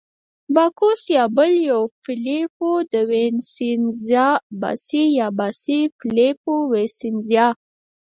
باکوس یا بل یو، فلیپو وینسینزا، باسي یا باسي فلیپو وینسینزا.